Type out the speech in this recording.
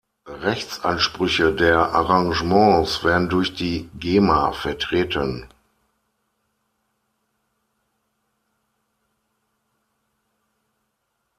Rechtsansprüche der Arrangements werden durch die Gema vertreten.